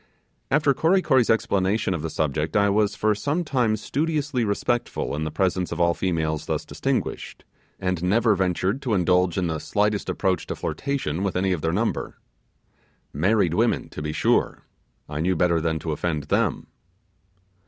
After Kory Kory's explanation of the subject, I was for some time studiously respectful in the presence of all females thus distinguished, and never ventured to indulge in the slightest approach to flirtation with any of their number. Married women, to be sure! I knew better than to offend them.